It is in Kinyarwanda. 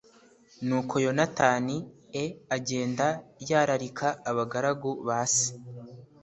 Nuko Yonatani e agenda yararika Abagaragu base